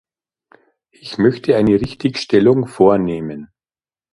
Ich möchte eine Richtigstellung vornehmen.